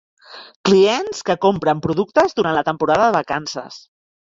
Clients que compren productes durant la temporada de vacances.